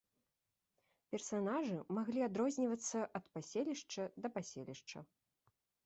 Персанажы маглі адрознівацца ад паселішча да паселішча.